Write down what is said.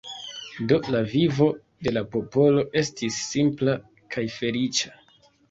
Do la vivo de la popolo estis simpla kaj feliĉa.